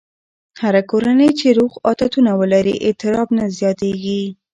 هره کورنۍ چې روغ عادتونه ولري، اضطراب نه زیاتېږي.